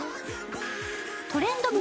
「トレンド部」